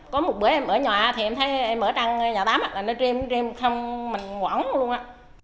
có một bữa em ở nhà thì em thấy em ở trong nhà tá mặt là nó rìm rìm không mình quảng luôn ạ